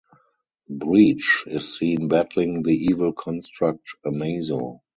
Breach is seen battling the evil construct Amazo.